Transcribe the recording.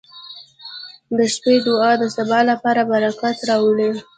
• د شپې دعا د سبا لپاره برکت راوړي.